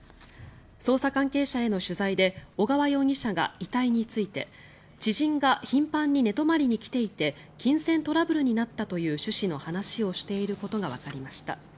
捜査関係者への取材で小川容疑者が遺体について知人が頻繁に寝泊まりに来ていて金銭トラブルになったという趣旨の話をしていることがわかりました。